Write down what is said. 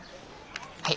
はい。